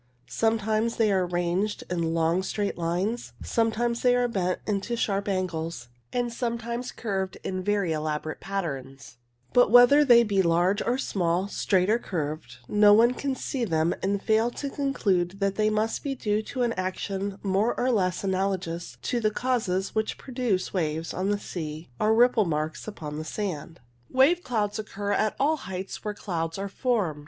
Sometimes they are ranged in long straight lines, sometimes they are bent into sharp angles, and sometimes curved in very elaborate patterns; but whether they be large or small, straight or curved, no one can see them and fail to conclude that they must be due to an action more or less analogous to the causes which produce waves on the sea or ripple marks upon the sand. Wave clouds occur at all heights where clouds are formed.